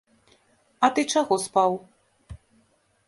А ты чаго спаў?